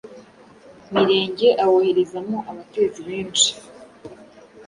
Mirenge awoherezamo abatezi benshi